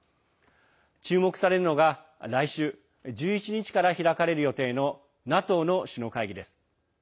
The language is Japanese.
注目されるのが来週１１日から開かれる予定のＮＡＴＯの首脳会議です。